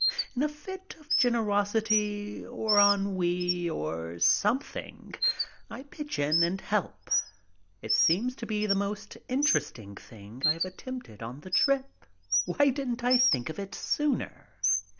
In a fit of generosity or ennui or something I pitch in and help. It seems to be the most interesting thing I have attempted on the trip. Why didn't I think of it sooner?